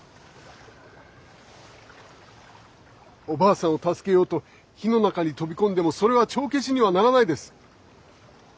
おばあさんを助けようと火の中に飛び込んでもそれは帳消しにはならないです。